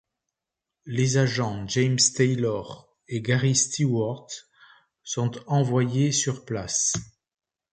Les agents James Taylor et Gary Stewart sont envoyés sur place.